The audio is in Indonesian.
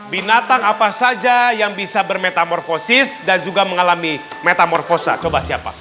binatang apa saja yang bisa bermetamorfosis dan juga mengalami metamorfosa coba siapa